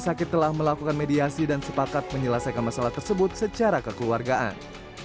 rumah sakit telah melakukan mediasi dan sepakat menyelesaikan masalah tersebut secara kekeluargaan